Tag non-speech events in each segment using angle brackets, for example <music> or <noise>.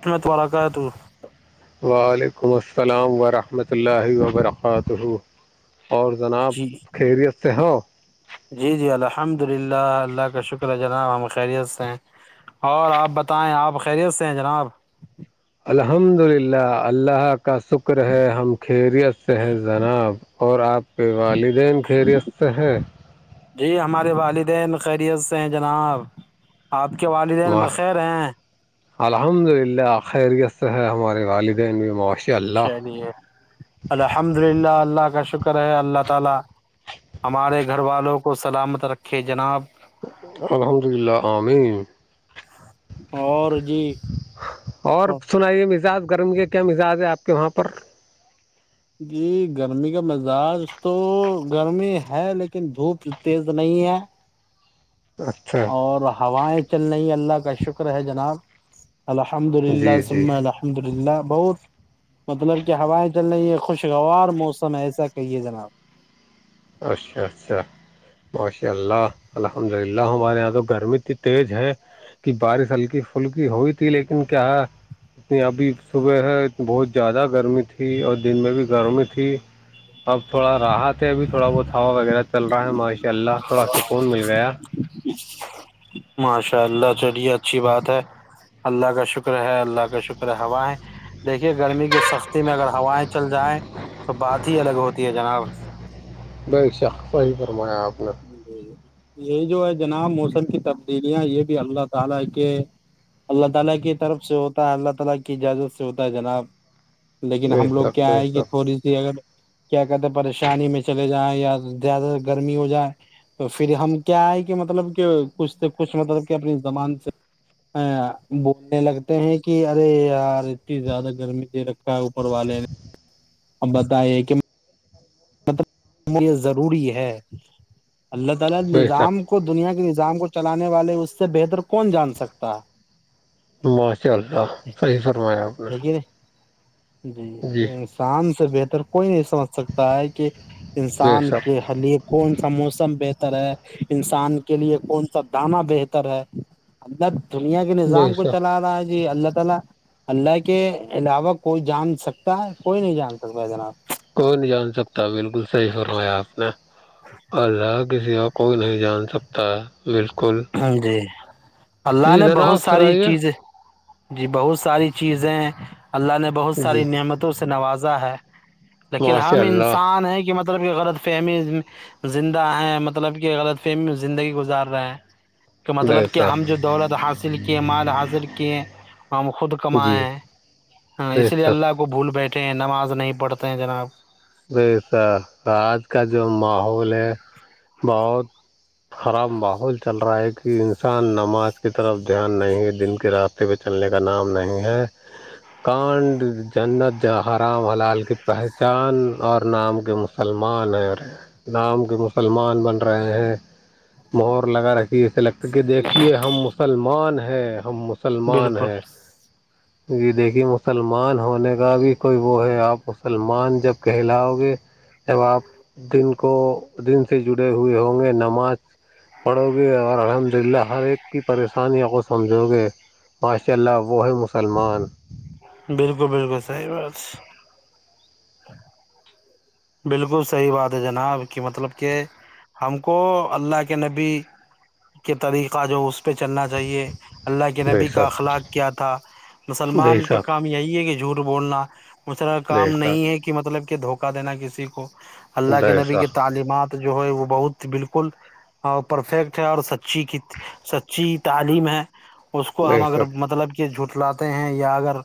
اس میں تارا تو وعلیکم السلام ورحمۃ اللہ وبرکاتہ اور جناب جی خیریت سے ہو جی جی الحمد للہ اللہ کا شکر ہے جناب ہم خیریت سے ہیں اور آپ بتائیں آپ خیریت سے ہیں جناب الحمد للہ اللہ کا شکر ہے ہم خیریت سے جناب اور آپ کے والدین خیریست ہیں جی ہمارے والدین خیریت سے ہیں جناب آپ کے والدین ماشاء بخیر ہیں الحمد للہ خیریتر ہے ہمارے والدین بھی معاشر الحمدللہ اللہ کا شکر ہے اللہ تعالی ہمارے گھر والوں کو سلامت رکھے جناب الحمد للہ آمںن اور جی اور سنائیے مزاج گرمی کے کیا مزاج ہے آپ کے وہاں پر جی گرمی کا مزاج تو گرمی ہے لیکن دھوپ تیز نہیں ہے اچھا اور ہوائیں چل رہی ہے اللہ کا شکر ہے جناب الحمد جی للہ جی سمہ الحمد للہ بہت مطلب کہ ہوائیں چل رہ یہ خوشگوار موسم ہے ایسا کہیے جناب اچھا اچھا ماشاء اللہ الحمد للہ ہمارے یہاں تو گرمی اتنی تیز ہے کہ بارش ہلکی پلکی ہوئی تھی لیکن کیا اتنی ابھی صبح ہے تو بہت زیادہ گرمی تھی اور دن میں بھی گرمی تھی اب تھوڑا راہت ہے ابھی تھوڑا بہت ہوا وغیرہ چل رہا ہے ماشاء اللہ تھوڑا سکون مل گیا ماشاء اللہ چلیے اچھی بات ہے اللہ کا شکر ہے اللہ کا شکر ہے ہوائیں دیکھیے گرمی کی سستی میں اگر ہوائیں چل جائیں تو بات ہی الگ ہوتی ہے جناب بےشک صحیح فرمایا آپ نے جی یہ جو ہے جناب موسم کی تبدیلیاں یہ بھی اللہ تعالی کے اللہ تعالی کی طرف سے ہوتا ہے اللہ تعالی کی اجازت سے ہوتا ہے جناب لیکن بے ہم لوگ شک کیا بے ہے کہ شک تھوڑی سی اگر کیا کہتے ہیں پریشانی میں چلے جائیں یا زیادہ گرمی ہو جائے تو پھر ہم کیا آئے کہ مطلب کہ کچھ سے کچھ مطلب کہ اپنی زبان سے بولنے لگتے ہیں کہ ارے یار اتنی زیادہ گرمی دے رکھا ہے اوپر والے نے اب بتائیے کہ یہ ضروری ہے اللہ تعالی بے نظام شک کو دنیا کے نظام کو چلانے والے اس سے بہتر کون جان سکتا ہے ماشاء اللہ صحیح فرمایا آپ نے لیکن جی تو ان جی کی شان سے بہتر کوئی نہیں سمجھ سکتا ہے کہ بے انسان شک کے کے لیے کون سا موسم بہتر ہے انسان کے لیے کون سا دانا بہتر ہے اللہ دنیا کے بے نظام کو شک چلا رہا ہے جی اللہ تعالی اللہ کے علاوہ کوئی جان سکتا ہے کوئی نہیں جان سکتا جناب کوئی نہیں جان سکتا بالکل صحیح فرمایا آپ نے اللہ کے سوا کوئی نہیں جان سکتا ہے بالکل جی اللہ جی نے جناب بہت ساری سنائیے چیزیں جی بہت ساری چیزیں اللہ نے بہت جی ساری نعمتوں سے نوازا ہے لیکن ماشاء ہم اللہ انسان ہیں کہ مطلب مطلب کہ غلط فہمی زندہ ہیں مطلب کہ غلط فہمی میں زندگی گزار رہے ہیں کہ بے مطلب کہ ہم شک جو دولت حاصل کیے مال حاصل کیے ہم خود جی کمائے ہاں بے اس لیے شک اللہ کو بھول بیٹھے ہیں نماز نہیں پڑھتے ہیں جناب ویسا آج کا جو ماحول ہے بہت خراب ماحول چل رہا ہے ایک کہ انسان نماز کی طرف دھیان نہیں ہے دین کے راستے پہ چلنے کا نام نہیں ہے کانڈ جنت جہ ہرام ہلال کی پہچان اور نام کے مسلمان ہیں اور نام کے مسلمان بن رہے ہیں محہر لگا رہتی ہےالگ تو کہ دیکھیے ہم مسلمان ہیں ہم مسلمان بالکل ہیں جی دیکھیے مسلمان ہونے کا بھی کوئی وہ ہے آپ مسلمان جب کہلاؤ گے جب آپ دن کو دن سے جڑے ہوئے ہوں گے نماز پڑھو گے اور الحمد للہ ہر ایک کی پریشانیوں کو سمجھو گے ماشاء اللہ وہ ہے مسلمان بالکل بالکل صحیح بات بالکل صحیح بات ہے جناب کہ مطلب کہ ہم کو اللہ کے نبی کے طریقہ جو اس پہ چلنا چاہیے اللہ کے بے نبی کا شک اخلاق کیا تھا بے مسلمان کا شک کام یہی ہے کہ جھوٹ بولنا اس طرح بے کام شک نہیں ہے کہ مطلب کہ دھوکہ دینا کسی کو اللہ کے بے نبی کی شک تعلیمات جو ہے وہ بہت بالکل اور پرفیکٹ ہے اور سچی سچی تعلیم ہے اس کو بے ہم اگر شک مطلب کہ جٹ لاتے ہیں یا اگر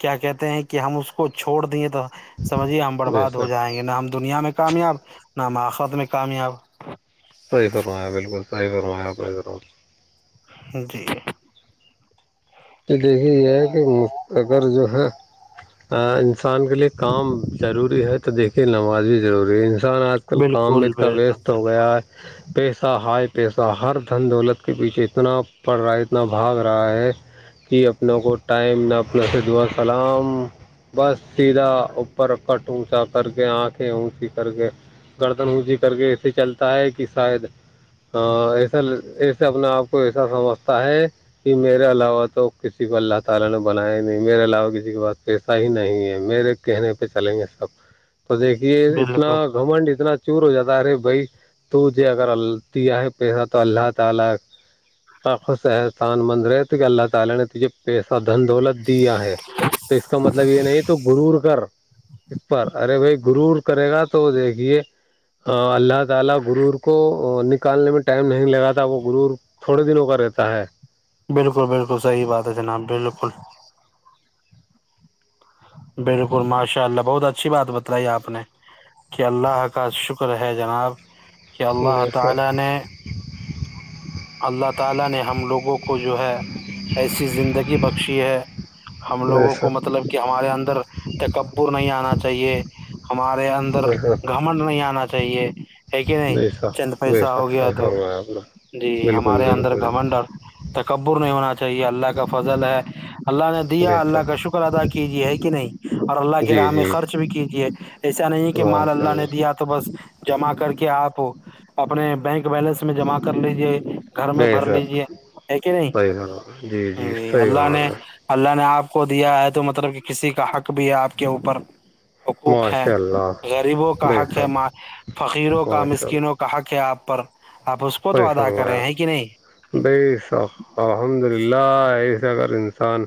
کیا کہتے ہیں کہ ہم اس کو چھوڑ دیے تو سمجھیے ہم بے برباد ہو شک جائیں گے نہ ہم دنیا میں کامیاب نہ ہم آخت میں کامیاب صحی فرمایا بالکل صحی فرمایا <inaudible> یہ دیکھیے یہ ہے کہ اگر جو ہے انسان کے لیے کام ضروری ہے تو دیکھیے نماز بھی ضروری ہے انسان آج آج کل کام بھی بالکل اتنا بالکل ویسٹ صحیح ہو گیا ہے پیسہ ہائے پیسہ ہر دھن دولت کے پیچھے اتنا پڑ رہا ہے اتنا بھاگ رہا ہے کہ اپناوں کو ٹائم نہ اپنا سے دعا سلام بس سیدھا اوپر کٹ اونچا کر کے آنکھیں اونسیی کر کے گردن ہوجی کر کے ایسے چلتا ہے کہ شاید ایسا ایسے اپنے آپ کو ایسا سمجھتا ہے کہ میرے علاوہ تو کسی کو اللہ تعالی نے بنایا ہی نہیں میرے علاوہ کسی کے پاس پیسہ ہی نہیں ہے میرے کہنے پہ چلیں گے سب تو دیکھیے اتنا بالکل گھمنڈ اتنا چور ہو جاتا ہے ارے بھائی دو سے اگر غلطی ائے بہا تو اللہ تعالی حسین مند رہتے کہ اللہ تعالی نے جھ پیسہ دھن دولت دیا ہے تو اس کا مطلب یہ نہیں تو رور کر اس پر ارے بھائی گر کرے گا تو دیکھیے ا اللہ تعالی غرور کو نکالنے میں ٹائم نہیں لگا تھا وہ غرور تھوڑے دنوں کا رہتا ہے بالکل بالکل صحی بات ہے جناب بالکل بالکل ماشاء اللہ بہت اچھی بات بتلائی آپ نے کہ اللہ کا شکر ہے جناب کہ اللہ بے شک تعالی نے اللہ تعالی نے ہم لوگوں کو جو ہے ایسی زندگی بخشی ہے ہم بے لوگوں کو شک مطلب کہ ہمارے اندر تکبر نہیں آنا چاہیے ہمارے اندر بے شک گھمنڈ نہیں آنا چاہیے ہے کہ نہیں بے چند شک پیسہ بے ہو شک گیا صحیح تو فرمایا آپ نے جی بالکل ہمارے اندر بالکل گھمنڈر تکبر نہیں ہونا چاہیے اللہ کا فضل ہے اللہ نے دیا بے اللہ شک کا شکر ادا کیجیے ہے کہ نہیں اور اللہ کے جی راہ میں جی خرچ بھی کیجیے ایسا نہیں کہ مال اللہ نے دیا تو بس جمع کر کے آپ اپنے بینک بیلنس میں جمع کر لیجیے گھر میں بے بھر شک لیجے ہے کہ نہیں صحیح فرمایا جی صحیح اللہ نے فرمایا اللہ نے آپ کو دیا ہے تو مطلب کہ کسی کا حق بھی ہے آپ کے اوپر حقوق ہے ماشاء اللہ غریبوں کا بے حق ہے شک ماں فقیروں کا ماشاء مسکینوں کا کہا کیا آپ پر آپ اس کو تو سئی ادا کریں سرمایا ہیں کہ نہیں ب الحمد للہ ایس اگر انسان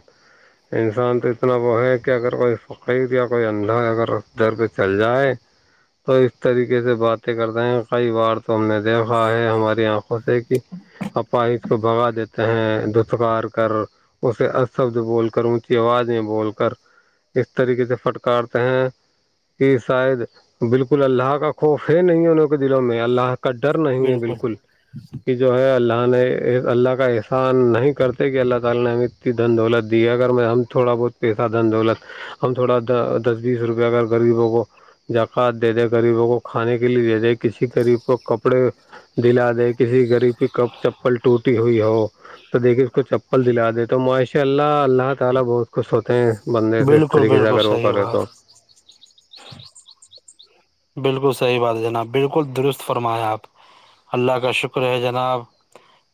انسان تو اتنا وہ ہے کہ اگر کوئی فقیر یا کوئی اندھا اگر اس ڈر پہ چل جائے تو اس طریقے سے باتیں کرتے ہیں کئی بار تو ہم نے دیکھا ہے ہمارے آنکھوں سے کہ اپا اس کو بھگا دیتے ا دستکار کر اس شبد بول کر اونچی آوازیں بول کر اس طریقے سے فھٹکارتے ہیں کہ شاید بالکل اللہ کا خوف ہے نہیں انوں کے دلوں میں اللہ کا ڈر نہیں ہے بالکل کہ جو ہے اللہ نے اللہ کا احسان نہیں کرتے کہ اللہ تعالی نے ہمیں اتنی دندولت دی ہے اگر میں تھوڑا بہت پیسہ دند دولت ہم تھوڑا دس بیس روپیہ اگر غریبوں کو زکواۃ دے دے غریبوں کو کھانے کے لیے دے دے کسی غب کو کپڑے دلا د کسی ریب پ کب چپل ٹوٹی ہوئی ہو تو دیکے اس کو چپل تو دلا دے تو ماشاء اللہ اللہ تعالی بہت خوش ہوتے ہیں بندے سے اس بالکل طریقے سے بالکل اگر وہ صحیح کرے بات تو <inaudible> <inaudible> بالکل صحیح بات ہے جناب بالکل درست فرمائیاں آپ اللہ کا شکر ہے جناب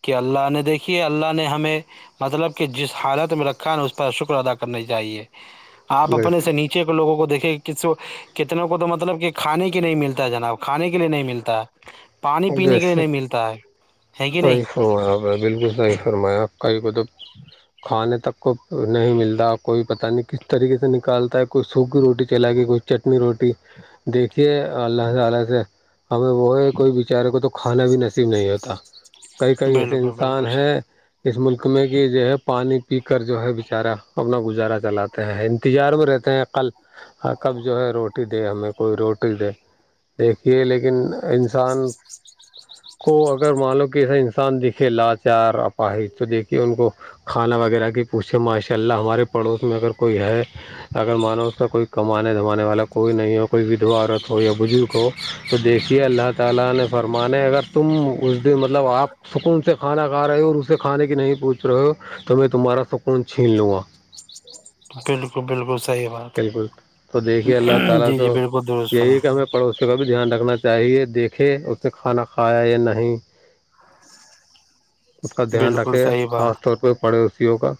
کہ اللہ نے دیکھی ہے اللہ نے ہمیں مطلب کہ جس حالت میں رکھا ہے نا اس پر شکر ادا کرنی چاہیے آپ اپنے سے نیچے کے لوگوں کو دیکھے ک کتنے کو تو مطلب کہ کھانے کے نہیں ملتا ہے جناب کھانے کے لیے نہیں ملتا پانی پینے کے لیے نہیں ملتا ہے ہے کہ نہیں ہپ بالکل صح فرمایاں کہیں پہ تو آنے تک کو نہیں ملتا کوئی پتا نہیں کس طریقے سے نکالتا ہے کوئی سوکھی روٹی کھلا کے کوئی چٹنی روٹی دیکھیے اللہ تعالی سے ہمیں وہ ہے کوئی بچار کو تو کھانا بھی نصیب نہیں ہوتا کئی کئی ایسے بالکل انسان بالکل ہیں اس ملک میں کہ جو ہے پانی پی کر جو ہے بیچارا اپنا گزارا چلاتے ہیں تجار میں رہتے ہیں کل کب جو ہے روٹی دے ہمیں کوئی روٹی دے دیکھیے لیکن انسان کو اگر معلوم کیسا انسان دکھے لاچار اپاہ تو دیکھیے ان کو کھانا وغیرہ کی پوچھیں ماشاء اللہ ہمارے پڑوس میں اگر کوئی ہے اگر مانو اس کا کوئی کمانے دمانے والا کوئی نہیں ہو کوئی ودھو عورت ہو یا بزرگ ہو تو دیکھیے اللہ تعالی نے فرمانے اگر تم اس دن مطلب آپ سکون سے کھانا کھا رہے ہو اور اسے کھانے کی نہیں پوچھ رہے ہو تو میں تمہارا سکون چھین لوں گا بالکل بالکل صحیح بات بالکل تو دیکھیے اللہ تعالی جی تو جی بالکل درست یہی فرما ہے کہ ہمیں پڑوسی کا بھی دھیان رکھنا چاہیے دیکھے اس نے کھانا کھایا یا نہیں اس کا دھیان بالکل رکھے گا صحیح بات خاص طور پہ پڑوسیوں کا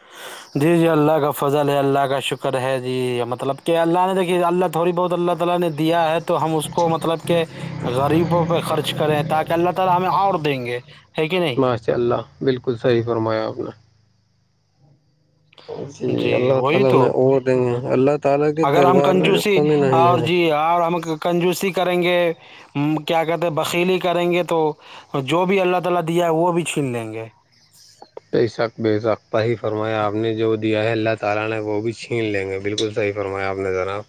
<inaudible> <inaudible> جی جی اللہ کا فضل ہے اللہ کا شکر ہے جی مطلب کہ اللہ نے دیکھیے اللہ تھوڑی بہت اللہ تعالی نے دیا ہے تو ہم اس کو مطلب کہ غریبوں پہ خرچ کریں تاکہ اللہ تعالی ہمیں اور دیں گے ہے کہ نہیں <unintelligible> ماشاء اللہ بالکل صحیح فرمایا آپ نے جی اللہ وہی تعالی تو ہمیں اور دیں گے اللہ تعالی کے اگر ہم دربار میں جو کنجوسی کمی نہیں اور ہے جی اور ہم کنجوسی کریں گے کیا کہتے ہیں بکیلی کریں گے تو جو بھی اللہ تعالی دیا ہے وہ بھی چھین لیں گے بے شک بے سق پہ ہی فرمایا آپ نے جو دیا ہے اللہ تعالی نے وہ بھی چھین لیں گے بالکل صحیح فرمایا آپ نے زرا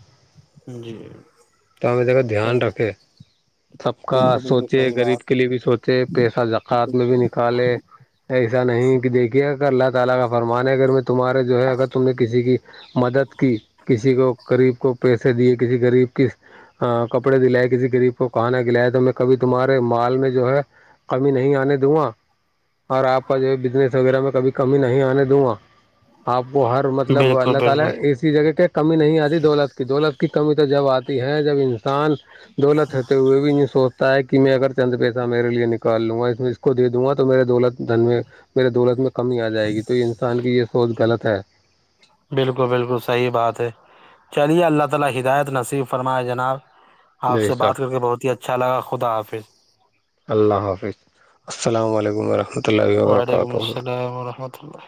جی تو ہمیں دیکھا دھیان رکھے سب کا بالکل بالکل سوچے صحیح غریب بات کے لیے بھی سوچے پیسہ زکوۃ میں بھی نکالے ایسا نہیں کہ دیکھیے اگر اللہ تعالی کا فرمان ہے اگر میں تمہارے جو ہے اگر تم نے کسی کی مدد کی کسی کو غریب کو پیسے دیے کسی غریب کس کپڑے دلائے کسی غریب کو کہانا دلیا تو میں کبھی تمہارے مال میں جو ہے کمی نہیں آنے دوں گا اور آپ کا جو ہے بزنس وغیرہ میں کبھی کمی نہیں آنے دوں گا آپ کو ہر مطلب بالکل اللہ تعالی بالکل ایسی جگہ کے کمی نہیں آتی دولت کی دولت کی کمی تو جب آتی ہیں جب انسان دولت ہوتے ہوئے بھی نہیں سوچتے تا ہے کہ میں اگر چند پیسہ میرے لیے نکال لوں گا اس میں اس کو دے دوں گا تو میرے دولت دھن میں میرے دولت میں کمی آ جائے گی تو انسان کی یہ سوچ غلط ہے <unintelligible> آپ بے سے بات شک کر کے بہت ہی اچھا لگا خدا حافظ اللہ حافظ السلام علیکم رحمۃ اللہ وعلیکم وبرکاتہ السلام ورحمۃ اللہ